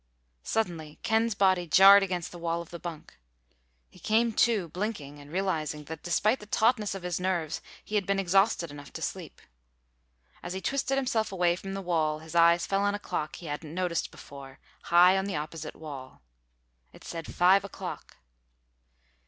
Suddenly Ken's body jarred against the wall of the bunk. He came to, blinking, and realized that despite the tautness of his nerves he had been exhausted enough to sleep. As he twisted himself away from the wall his eyes fell on a clock he hadn't noticed before, high on the opposite wall. It said five o'clock.